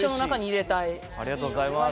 ありがとうございます。